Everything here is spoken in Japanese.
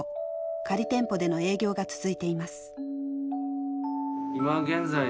仮店舗での営業が続いています